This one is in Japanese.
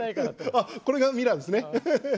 「あっこれがミラーですね」。